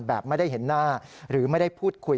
แบบไม่ได้เห็นหน้าหรือไม่ได้พูดคุย